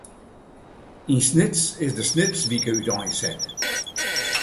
Yn Snits is de Snitswike úteinset.